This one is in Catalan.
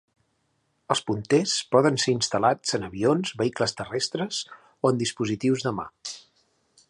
Els punters poden ser instal·lats en avions, vehicles terrestres, o en dispositius de mà.